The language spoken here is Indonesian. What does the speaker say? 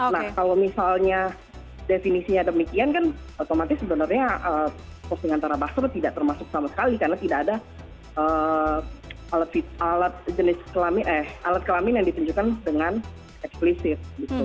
nah kalau misalnya definisinya demikian kan otomatis sebenarnya posting antara buster tidak termasuk sama sekali karena tidak ada alat jenis alat kelamin yang ditunjukkan dengan eksplisit